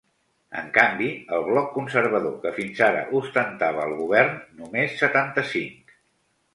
En canvi, el bloc conservador, que fins ara ostentava el govern, només setanta-cinc.